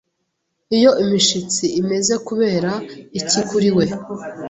Iyo imishitsi imeze kubera iki kuri we